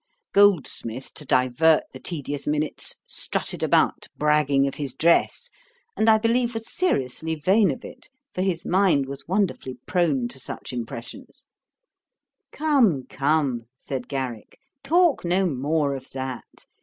Goldsmith, to divert the tedious minutes, strutted about, bragging of his dress, and I believe was seriously vain of it, for his mind was wonderfully prone to such impressions. 'Come, come, (said Garrick,) talk no more of that.